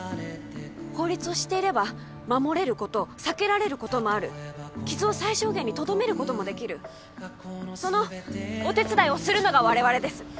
法律を知っていれば守れること避けられることもある傷を最小限にとどめることもできるそのお手伝いをするのが我々です